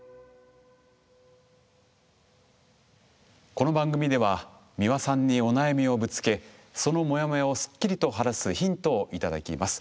この番組では美輪さんにお悩みをぶつけそのモヤモヤをすっきりと晴らすヒントを頂きます。